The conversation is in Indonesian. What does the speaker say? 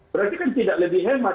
berarti kan tidak lebih hemat